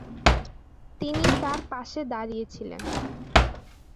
তিনি তার পাশে দাড়িয়েছিলেন।